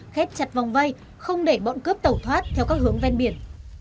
khép chặt vòng vây không để bọn cướp tẩu thoát theo các hướng ven biển